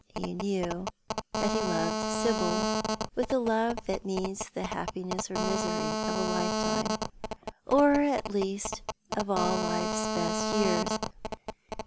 He knew that he loved Sibyl with the love that means the happiness or misery of a lifetime — or, at least, of all life's best years.